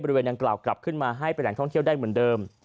บริเวณดังกล่าวกลับขึ้นมาให้เป็นแหล่งท่องเที่ยวได้เหมือนเดิม